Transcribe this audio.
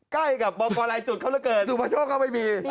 ใกล้กับบ่อลายจุดเขาแล้วเกินสุประโชคก็ไม่มี